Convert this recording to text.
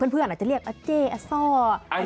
เพื่อนอาจจะเรียกเจ๊อัตเซาะ